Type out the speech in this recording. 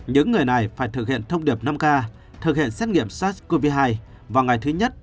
những người này phải thực hiện thông điệp năm k thực hiện xét nghiệm sars cov hai vào ngày thứ nhất